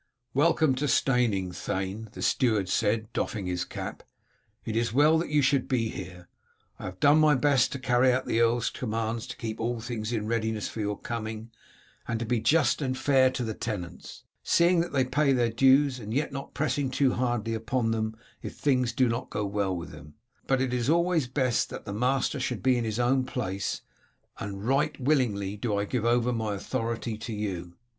"Welcome to Steyning, thane," the steward said, doffing his cap; "it is well that you should be here. I have done my best to carry out the earl's commands to keep all things in readiness for your coming, and to be just and fair to the tenants, seeing that they pay their dues, and yet not pressing too hardly upon them if things go not well with them; but it is always best that the master should be in his own place, and right willingly do I give over my authority to you."